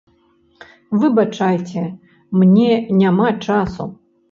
Выбачайце, мне няма часу.